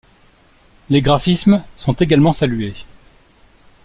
Les graphismes sont également salués.